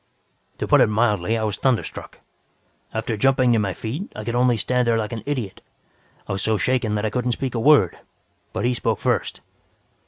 "To put it mildly, I was thunderstruck. After jumping to my feet, I could only stand there like an idiot. I was so shaken that I couldn't speak a word. But he spoke first.